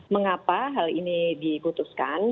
mengapa hal ini dikutuskan